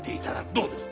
どうです？